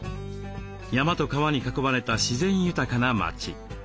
山と川に囲まれた自然豊かな町。